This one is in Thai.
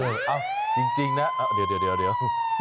เอาจริงนะเดี๋ยว